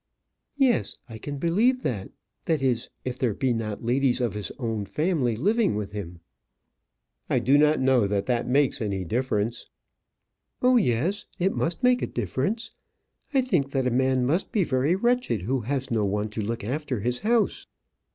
"Yes, I can believe that. That is, if there be not ladies of his own family living with him." "I do not know that that makes any difference." "Oh, yes; it must make a difference. I think that a man must be very wretched who has no one to look after his house."